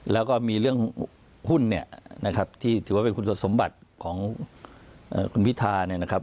แล้วก็มีเรื่องหุ้นเนี่ยนะครับที่ถือว่าเป็นคุณสมบัติของคุณพิธาเนี่ยนะครับ